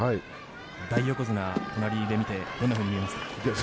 大横綱、隣でどんなふうに見えますか？